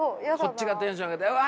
こっちがテンション上げてうわ！